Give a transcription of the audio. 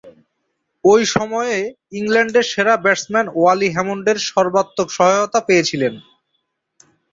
ঐ সময়ে ইংল্যান্ডের সেরা ব্যাটসম্যান ওয়ালি হ্যামন্ডের সর্বাত্মক সহায়তা পেয়েছিলেন।